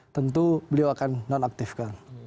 tentu beliau akan nonaktifkan